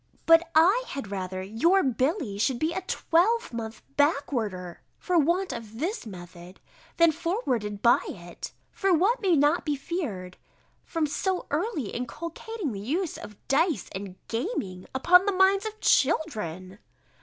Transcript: But I had rather your Billy should be a twelvemonth backwarder for want of this method, than forwarded by it. For what may not be feared from so early inculcating the use of dice and gaming, upon the minds of children?